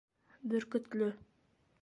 БӨРКӨТЛӨ